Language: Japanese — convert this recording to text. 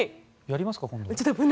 やりますか、今度。